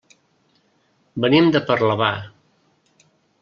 Venim de Parlavà.